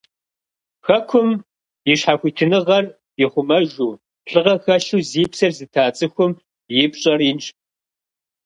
Хэкум и щхьэхуитыныгъэр ихъумэжу, лӀыгъэ хэлъу зи псэр зыта цӀыхум и пщӀэр инщ.